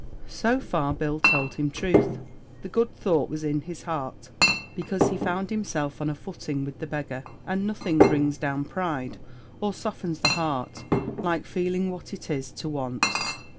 So far Bill told him truth. The good thought was in his heart, because he found himself on a footing with the beggar; and nothing brings down pride, or softens the heart, like feeling what it is to want.